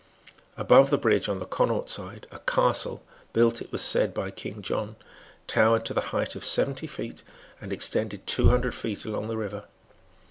Above the bridge, on the Connaught side, a castle, built, it was said, by King John, towered to the height of seventy feet, and extended two hundred feet along the river.